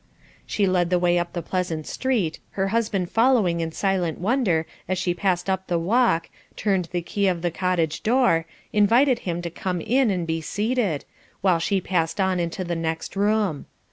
She led the way up the pleasant street, her husband following in silent wonder as she passed up the walk, turned the key of the cottage door, invited him to come in and be seated, while she passed on into the next room.